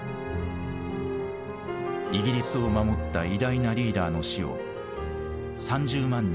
イギリスを守った偉大なリーダーの死を３０万人が見送った。